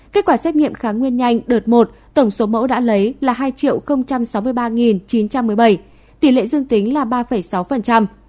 kết quả xét nghiệm kháng nguyên nhanh đợt một tổng số mẫu đã lấy là hai sáu mươi ba chín trăm một mươi bảy tỷ lệ dương tính là ba sáu